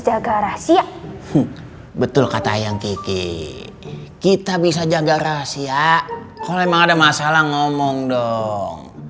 jaga rahasia betul kata yang kiki kita bisa jaga rahasia kalau memang ada masalah ngomong dong